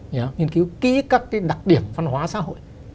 nhà nghiên cứu kỹ các cái đặc điểm văn hóa xã hội